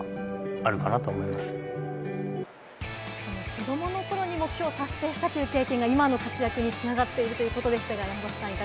子どもの頃に目標を達成したという経験が今の活躍に繋がっているということでしたね、山里さん。